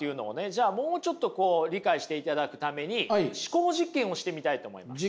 じゃあもうちょっと理解していただくために思考実験をしてみたいと思います。